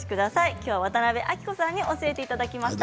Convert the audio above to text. きょうは渡辺あきこさんに教えていただきました。